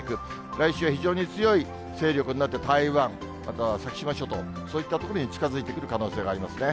来週は非常に強い勢力になって、台湾、あとは先島諸島、そういった所に近づいてくる可能性がありますね。